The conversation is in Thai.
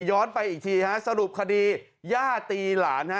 ย้อนไปอีกทีฮะสรุปคดีย่าตีหลานฮะ